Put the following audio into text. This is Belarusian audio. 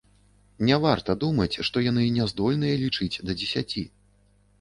Не варта думаць, што яны не здольныя лічыць да дзесяці.